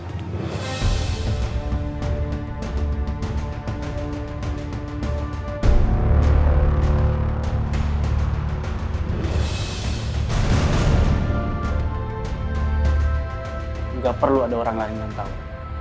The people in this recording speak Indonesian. tidak perlu ada orang lain yang tahu